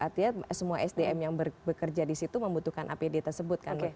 artinya semua sdm yang bekerja di situ membutuhkan apd tersebut kan